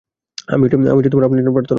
আমি আপনার জন্য প্রার্থনা করবো।